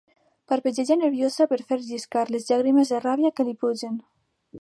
Parpelleja nerviosa per fer lliscar les llàgrimes de ràbia que li pugen.